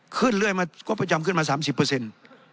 ขึ้นเรื่อยมางบประจำขึ้นมา๓๐เปอร์เซ็นต์